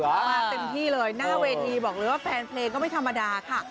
มาเต็มที่เลยหน้าเวทีบอกเลยว่าแฟนเพลงก็ไม่ธรรมดาค่ะ